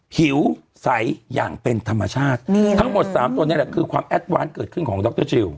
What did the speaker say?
ผิวใสอย่างเป็นธรรมชาติทั้งหมดสามตัวนี้แหละคือความแอดวานเกิดขึ้นของดรจิล